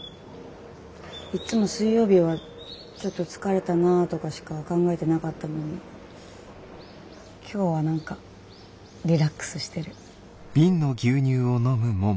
いっつも水曜日はちょっと疲れたなとかしか考えてなかったのに今日は何かリラックスしてる。